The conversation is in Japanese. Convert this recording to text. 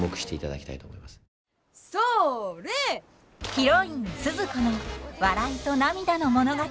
ヒロインスズ子の笑いと涙の物語。